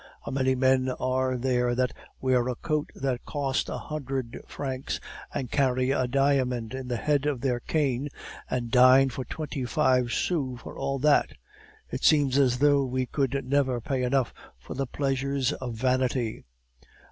How many men are there that wear a coat that cost a hundred francs, and carry a diamond in the head of their cane, and dine for twenty five SOUS for all that! It seems as though we could never pay enough for the pleasures of vanity.